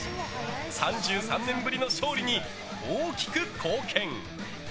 ３３年ぶりの勝利に大きく貢献。